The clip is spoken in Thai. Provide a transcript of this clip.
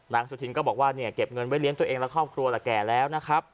สุธินก็บอกว่าเนี่ยเก็บเงินไว้เลี้ยงตัวเองและครอบครัวละแก่แล้วนะครับ